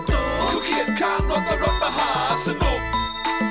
คือเคียดข้างรถและรถมหาสนุก